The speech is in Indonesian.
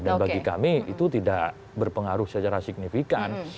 dan bagi kami itu tidak berpengaruh secara signifikan